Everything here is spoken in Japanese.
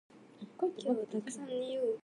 今日はたくさん寝よう